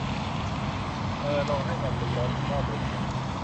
เออ ลง ให้มันรู้แล้วรู้รอดเลยมั้ย